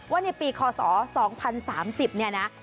ว่าในปีคศ๒๐๓๐เนี่ยนะ